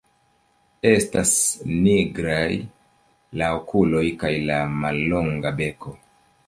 Estas nigraj la okuloj kaj la mallonga beko.